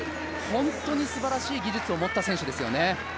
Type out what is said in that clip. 本当にすばらしい技術を持った選手ですね。